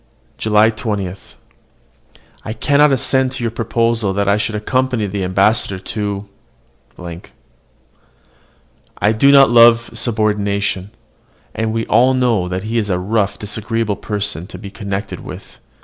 JULY 20. I cannot assent to your proposal that I should accompany the ambassador to . I do not love subordination; and we all know that he is a rough, disagreeable person to be connected with.